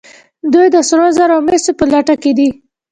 دوی د سرو زرو او مسو په لټه دي.